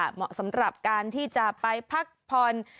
เหมาะสำหรับการที่จะไปพักผ่อน